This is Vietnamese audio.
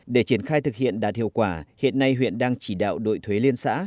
để triển khai thực hiện đạt hiệu quả hiện nay huyện đang chỉ đạo đội thuế liên xã